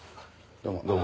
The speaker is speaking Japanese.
どうも。